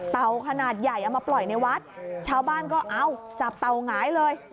ขนาดใหญ่เอามาปล่อยในวัดชาวบ้านก็เอ้าจับเต่าหงายเลย